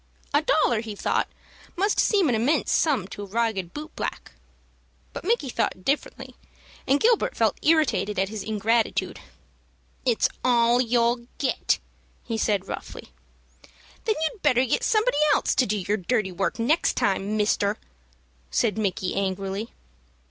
A dollar, he thought, must seem an immense sum to a ragged boot black. But Micky thought differently, and Gilbert felt irritated at his ingratitude. "It's all you'll get," said he, roughly. "Then you'd better get somebody else to do your dirty work next time, mister," said Micky, angrily.